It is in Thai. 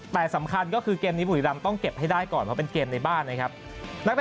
แต่สำคัญก็คือเกมนี้บุรีรำต้องเก็บให้ได้ก่อนเพราะเป็นเกมในบ้านนะครับ